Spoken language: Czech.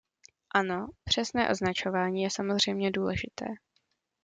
Ano, přesné označování je samozřejmě důležité.